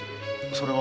それは。